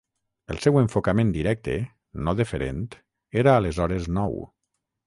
El seu enfocament directe, no deferent, era aleshores nou.